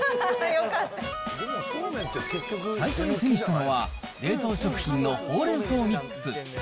最初に手にしたのは、冷凍食品のほうれん草ミックス。